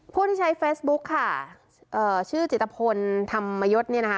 ผู้ที่ใช้เฟซบุ๊กค่ะเอ่อชื่อจิตภพลธรรมยศเนี่ยนะคะ